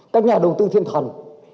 các nhà đầu tư thiên thần